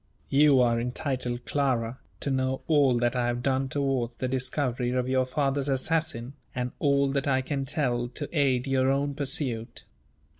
You are entitled, Clara, to know all that I have done towards the discovery of your father's assassin, and all that I can tell to aid your own pursuit.